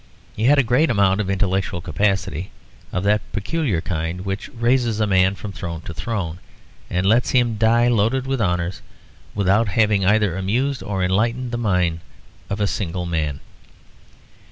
He had a great amount of intellectual capacity, of that peculiar kind which raises a man from throne to throne and lets him die loaded with honours without having either amused or enlightened the mind of a single man.